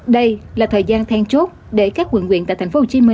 đây là thời gian then chốt để các quận quyện tại tp hcm